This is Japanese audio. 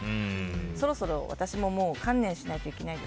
そろそろ私も観念しないといけないです。